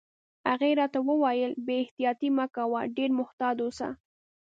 هغې راته وویل: بې احتیاطي مه کوه، ډېر محتاط اوسه.